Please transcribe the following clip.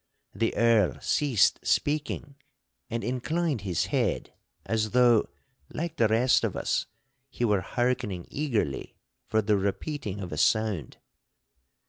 The Earl ceased speaking and inclined his head as though, like the rest of us, he were harkening eagerly for the repeating of a sound.